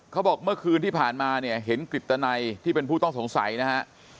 เขาบอกเมื่อคืนที่ผ่านมาเนี่ยเห็นกฤตนัยที่เป็นผู้ต้องสงสัยนะฮะ